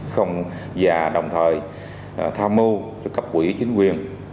không và đồng thời tham mưu cho cấp quỹ chính quyền